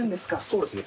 そうですね。